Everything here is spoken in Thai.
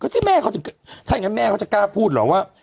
ที่แม่เขาถึงถ้าอย่างนั้นแม่เขาจะกล้าพูดเหรอว่า